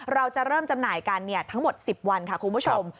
เราจะเริ่มจำหน่ายกันทั้งหมด๑๐วันค่ะคุณผู้ชม